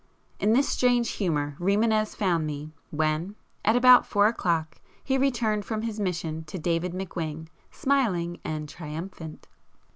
In this strange humour Rimânez found me, when at about four o'clock he returned from his mission to David McWhing, smiling and—triumphant.